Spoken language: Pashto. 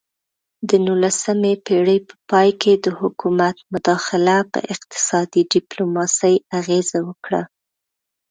د نولسمې پیړۍ په پای کې د حکومت مداخله په اقتصادي ډیپلوماسي اغیزه وکړه